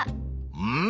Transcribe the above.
うん！